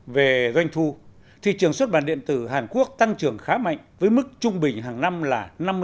về doanh thu thị trường xuất bản điện tử hàn quốc tăng trưởng khá mạnh với mức trung bình hàng năm là năm mươi